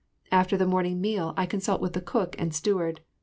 After the morning meal I consult with the cook and steward.